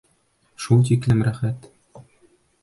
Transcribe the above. Шул тиклем рәхәт!